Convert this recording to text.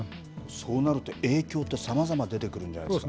そうなると影響ってさまざま出てくるんじゃないですか。